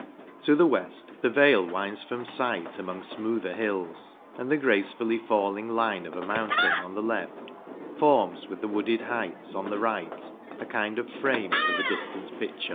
To the weft, the vale winds from fight among fmoother hills ; and the gracefully falling line of a mountain, on the left, forms, with the wooded heights, on the right, a kind of frame for the diftant picture.